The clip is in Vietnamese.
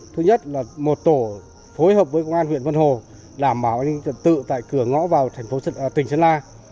thứ nhất là một tổ phối hợp với công an huyện vân hồ đảm bảo an ninh trật tự tại cửa ngõ vào thành phố tỉnh sơn la